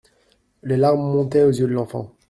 Les larmes montaient aux yeux de l’enfant.